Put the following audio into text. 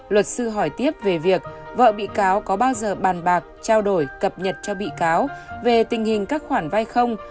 luật sư hỏi tiếp về việc vợ bị cáo có bao giờ bàn bạc trao đổi cập nhật cho bị cáo về tình hình các khoản vay không